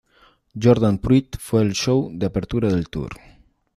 Jordan Pruitt fue el show de apertura del tour.